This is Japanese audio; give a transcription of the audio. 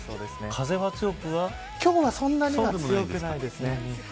風は今日はそんなには強くないですね。